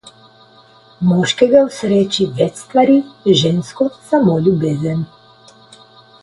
Moškega osreči več stvari, žensko samo ljubezen.